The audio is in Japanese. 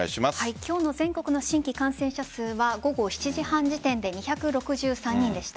今日の全国の新規感染者数は午後７時半時点で２６３人でした。